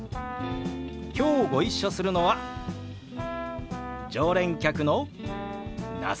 きょうご一緒するのは常連客の那須さんですよ！